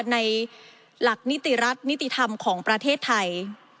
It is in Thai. ในหลักนิติรัฐนิติธรรมของประเทศไทย